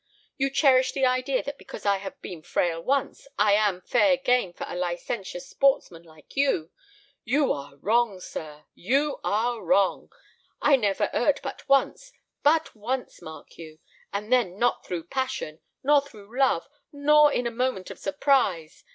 You cherish the idea that because I have been frail once, I am fair game for a licentious sportsman like you. You are wrong, sir—you are wrong. I never erred but once—but once, mark you;—and then not through passion—nor through love—nor in a moment of surprise.